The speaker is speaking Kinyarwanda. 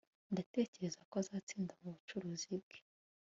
Ndatekereza ko azatsinda mubucuruzi bwe